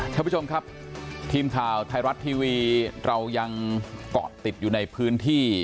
ท่านผู้ชมครับทีมข่าวไทยรัฐทีวีเรายังเกาะติดอยู่ในพื้นที่